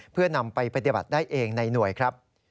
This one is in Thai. เพื่อนำไปปฏิบัติได้เองในหน่วยครับ